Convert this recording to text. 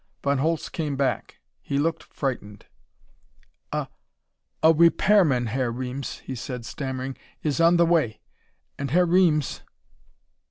Von Holtz came back. He looked frightened. "A a repairman, Herr Reames," he said, stammering, "is on the way. And Herr Reames...."